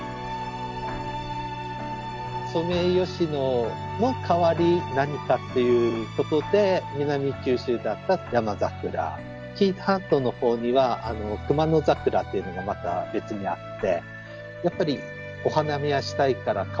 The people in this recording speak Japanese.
ソメイヨシノの代わり、何かということで、南九州だったらヤマザクラ、紀伊半島のほうには、クマノザクラというのがまた別にあって。